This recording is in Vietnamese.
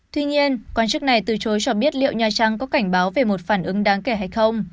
tuy nhiên quan chức này từ chối cho biết liệu nhà trắng có cảnh báo về một phản ứng đáng kể hay không